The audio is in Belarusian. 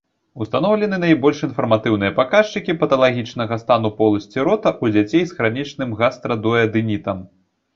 Устаноўлены найбольш інфарматыўныя паказчыкі паталагічнага стану поласці рота ў дзяцей з хранічным гастрадуадэнітам.